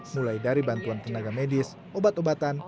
mulai dari bantuan tenaga medis obat obatan